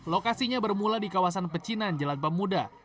lokasinya bermula di kawasan pecinan jalan pemuda